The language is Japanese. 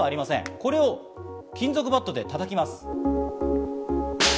これを金属バットで叩きます。